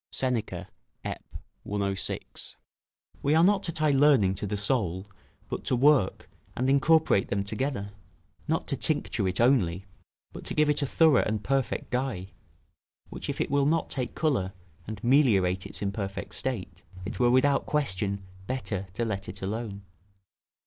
Seneca, Ep., 106.] We are not to tie learning to the soul, but to work and incorporate them together: not to tincture it only, but to give it a thorough and perfect dye; which, if it will not take colour, and meliorate its imperfect state, it were without question better to let it alone.